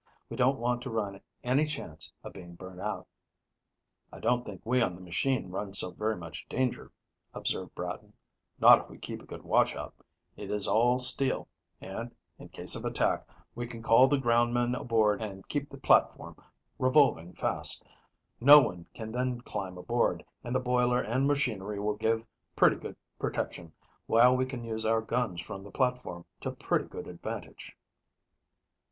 We don't want to run any chance of being burnt out." "I don't think we on the machine run so very much danger," observed Bratton; "not if we keep a good watch out. It is all steel, and, in case of attack, we can call the ground men aboard and keep the platform revolving fast. No one can then climb aboard, and the boiler and machinery will give pretty good protection, while we can use our guns from the platform to pretty good advantage."